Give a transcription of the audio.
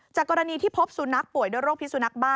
จากกรณีที่พบสุนักป่วยโดยโรคภิสุนักบ้า